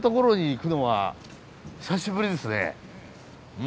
うん。